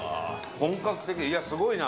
本格的、いや、すごいな。